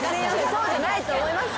そうじゃないと思いますけど。